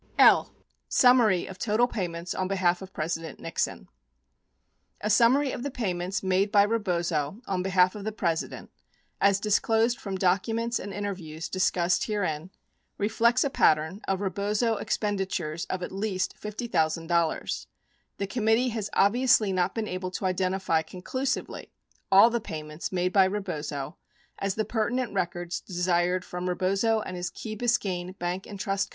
L. Summary of Total Payments on Behalf of President Nixon A summary of the payments made by Rebozo on behalf of the Presi dent as disclosed from documents and interviews discussed herein re flects a pattern of Rebozo expenditures of at least $50,000. The com mittee has obviously not been able to identify conclusively all the payments made by Rebozo as the pertinent records desired from Rebozo and his Key Biscayne Bank & Trust Co.